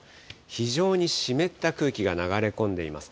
非常に湿った空気が流れ込んでいます。